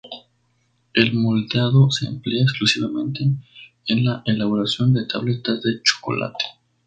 El moldeado se emplea exclusivamente en la elaboración de tabletas de chocolate.